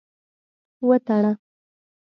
وتړه.